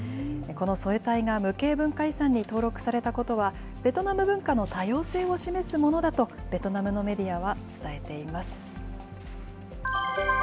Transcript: このソエタイが無形文化遺産に登録されたことは、ベトナム文化の多様性を示すものだと、ベトナムのメディアは伝えています。